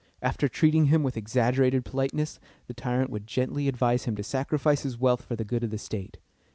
After treating him with exaggerated politeness, the tyrant would gently advise him to sacrifice his wealth for the good of the state.